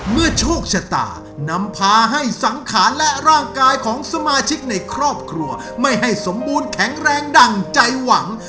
โชคชะตานำพาให้สังขารและร่างกายของสมาชิกในครอบครัวไม่ให้สมบูรณ์แข็งแรงดั่งใจหวัง